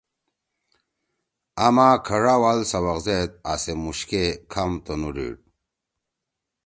آما کھڙا وال سوق زید، آسے موش کے کھام تُنو ڈیِڑ